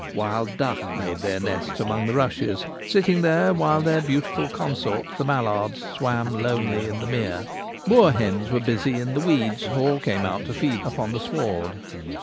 Wild duck made their nests among the rushes, sitting there while their beautiful consorts, the mallards, swam lonely in the mere Moorhens were busy in the weeds, or came out to feed upon the sward.